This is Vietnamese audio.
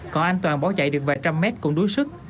còn anh toàn bỏ chạy được vài trăm mét cũng đuối sức